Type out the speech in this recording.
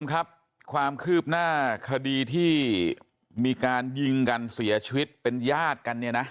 ครับความคืบหน้าคดีที่มีการยิงกันเสียชีวิตเป็นญาติกันเนี่ยนะ